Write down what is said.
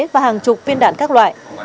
và hàng chục viên đạn các loại